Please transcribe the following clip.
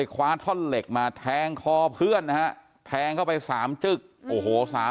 คลอมไปพี่อยู่โคโรบ